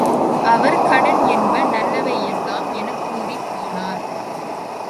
அவர், கடன் என்ப நல்லவை எல்லாம் எனக்கூறிப் போனார்.